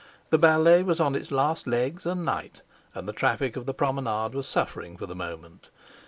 The ballet was on its last legs and night, and the traffic of the Promenade was suffering for the moment.